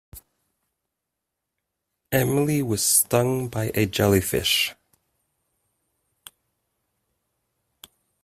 Emily was stung by a jellyfish.